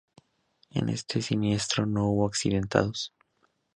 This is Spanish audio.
En este siniestro no hubo accidentados.